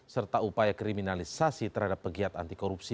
serta upaya kriminalisasi terhadap pegiat anti korupsi